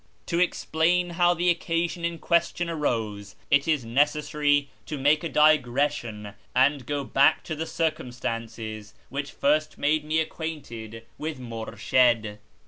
To explain how the occasion in question arose, it is necessary to make a digression, and go back to the circum stances which first made me acquainted witli Murshid.